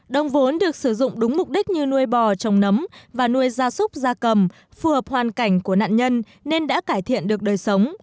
đồng vốn được sử dụng đúng mục đích như nuôi bò trồng nấm và nuôi gia súc gia cầm phù hợp hoàn cảnh của nạn nhân nên đã cải thiện được đời sống